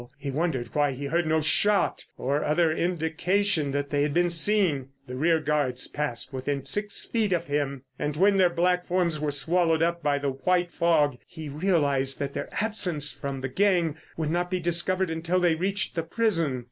He wondered why he heard no shot or other indication that they had been seen. The rear guards passed within six feet of him, and when their black forms were swallowed up by the white fog, he realised that their absence from the gang would not be discovered until they reached the prison.